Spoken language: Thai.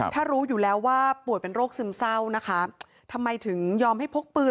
ถ้ารู้อยู่แล้วว่าป่วยเป็นโรคซึมเศร้านะคะทำไมถึงยอมให้พกปืน